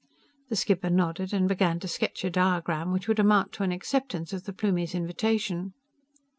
The skipper nodded and began to sketch a diagram which would amount to an acceptance of the Plumie's invitation.